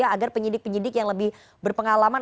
agar penyidik penyidik yang lebih berpengalaman